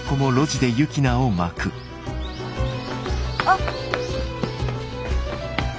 あっ。